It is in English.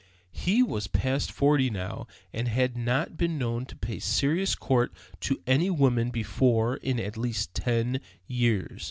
He was past forty now, and had not been known to pay serious court to any woman before in at least ten years.